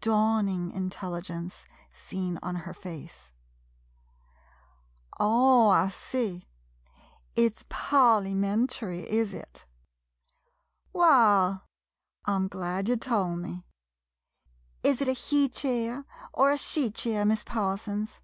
Dawning intelligence seen on her face.] Oh, I see — it's parlymentry, is it? Waal — I 'm glad you tol' me. Is it a he cheer, or a she cheer, Miss Parsons?